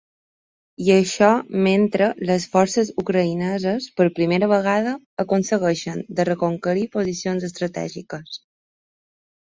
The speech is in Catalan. I això mentre les forces ucraïneses, per primera vegada, aconsegueixen de reconquerir posicions estratègiques.